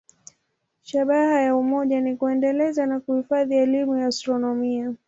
Shabaha ya umoja ni kuendeleza na kuhifadhi elimu ya astronomia.